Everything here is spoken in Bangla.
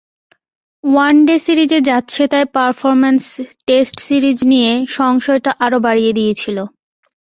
ওয়ানডে সিরিজে যাচ্ছেতাই পারফরম্যান্স টেস্ট সিরিজ নিয়ে সংশয়টা আরও বাড়িয়ে দিয়েছিল।